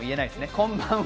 こんばんは。